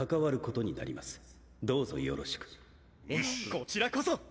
こちらこそ！